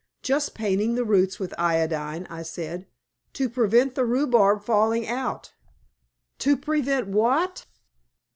"Just painting the roots with iodine," I said, "to prevent the rhubarb falling out." "To prevent what?"